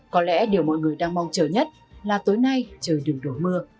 có lẽ điều mọi người đang mong chờ nhất là tối nay trời đừng đổ mưa